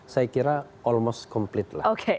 saya kira hampir selesai